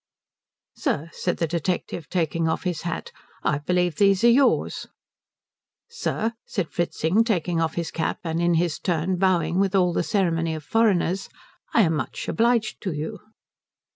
"Sir," said the detective, taking off his hat, "I believe these are yours." "Sir," said Fritzing, taking off his cap in his turn and bowing with all the ceremony of foreigners, "I am much obliged to you."